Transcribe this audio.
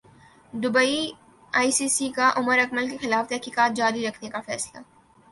Dubai ئی سی سی کا عمراکمل کیخلاف تحقیقات جاری رکھنے کا فیصلہ